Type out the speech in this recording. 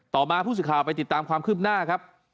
มาผู้สื่อข่าวไปติดตามความคืบหน้าครับ